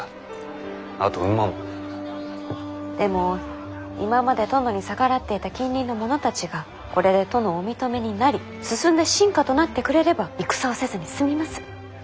でも今まで殿に逆らっていた近隣の者たちがこれで殿をお認めになり進んで臣下となってくれれば戦をせずに済みます。